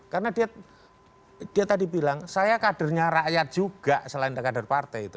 karena dia tadi bilang saya kadernya rakyat juga selain dari kader partai itu